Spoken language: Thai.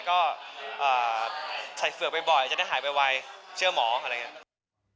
ก็ใส่เฝือกบ่อยจะได้หายไวเชื่อหมออะไรอย่างนี้